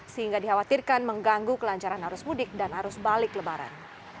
sehingga dikhawatirkan mengganggu kelancaran arus mudik dan arus balik lebaran